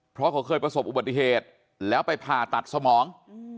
เพราะเขาเคยประสบอุบัติเหตุแล้วไปผ่าตัดสมอง